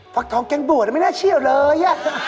ภักษ์ทองแกงบัวน่ะไม่น่าเชี่ยวเลย